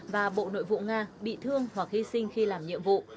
và bộ nội vụ nga bị thương hoặc hy sinh khi làm nhiệm vụ